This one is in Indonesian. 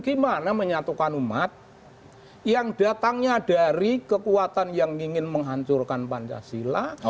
gimana menyatukan umat yang datangnya dari kekuatan yang ingin menghancurkan pancasila